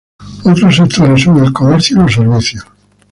Otros sectores son el comercio y los servicios.